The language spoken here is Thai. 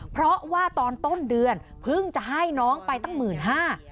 เพราะว่าตอนต้นเดือนเพิ่งจะให้น้องไปตั้งหมื่นห้า